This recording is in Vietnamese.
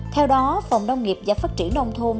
theo đó phòng nông nghiệp và phát triển nông thôn